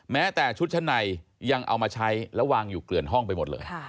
แม้แต่ชุดชั้นในยังเอามาใช้แล้ววางอยู่เกลื่อนห้องไปหมดเลย